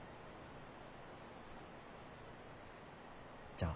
じゃあ。